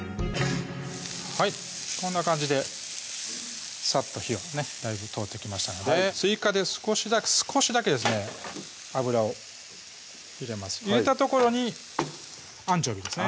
はいこんな感じでさっと火をねだいぶ通ってきましたので追加で少しだけですね油を入れます入れた所にアンチョビーですね